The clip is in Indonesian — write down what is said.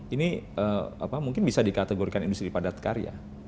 ini mungkin bisa dikategorikan industri padat karya